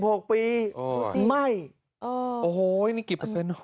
โอ้โหนี่กี่เปอร์เซ็นต์